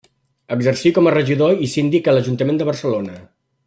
Exercí com a regidor i síndic a l'ajuntament de Barcelona.